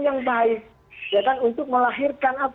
yang baik untuk melahirkan